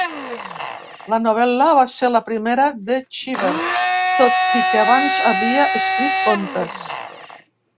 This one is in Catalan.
La novel·la va ser la primera de Cheever, tot i que abans havia escrit contes.